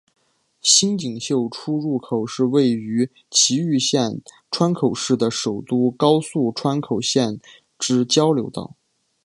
新井宿出入口是位于崎玉县川口市的首都高速川口线之交流道。